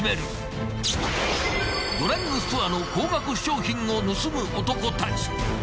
［ドラッグストアの高額商品を盗む男たち］